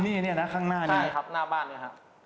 ที่นี่นะครับข้างหน้านี้นะครับใช่ครับหน้าบ้านนี้ครับ